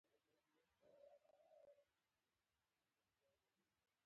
د وینې کمی د زړه فعالیت اغېزمنوي.